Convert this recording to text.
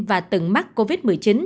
và từng mắc covid một mươi chín